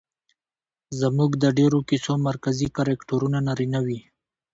زموږ د ډېرو کيسو مرکزي کرکټرونه نارينه وي